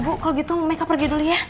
bu kalau gitu mereka pergi dulu ya